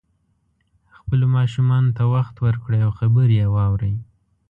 خپلو ماشومانو ته وخت ورکړئ او خبرې یې واورئ